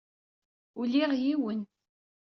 Ulyeɣ yiwen.